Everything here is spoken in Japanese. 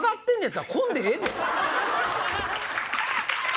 えっ？